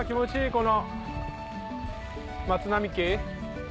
この松並木。